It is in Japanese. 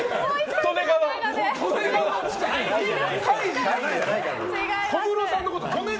利根川！